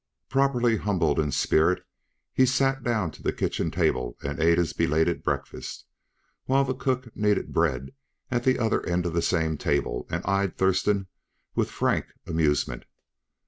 Properly humbled in spirit, he sat down to the kitchen table and ate his belated breakfast, while the cook kneaded bread at the other end of the same table and eyed Thurston with frank amusement.